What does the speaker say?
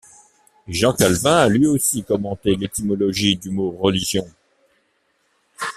Jean Calvin a lui aussi commenté l'étymologie du mot religion.